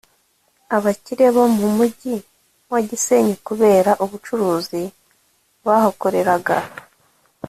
abakire bo mujyi wa Gisenyi kubera ubucuruzi bahakoreraga